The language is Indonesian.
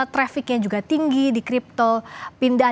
traffic nya juga tinggi di crypto pindah